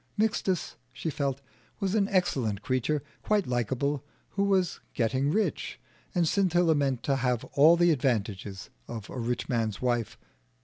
Mixtus, she felt, was an excellent creature, quite likable, who was getting rich; and Scintilla meant to have all the advantages of a rich man's wife.